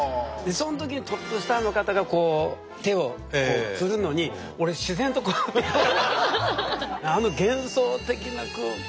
そのときにトップスターの方がこう手を振るのに俺自然とこうやって。